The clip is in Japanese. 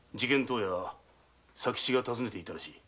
当夜佐吉が訪ねていたらしい。